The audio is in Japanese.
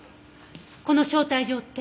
この「招待状」って？